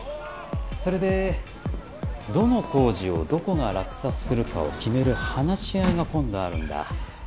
それでどの工事をどこが落札するかを決める話し合いが今度あるんだ。